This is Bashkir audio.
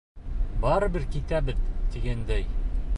Барыбер китәбеҙ тигәндәй...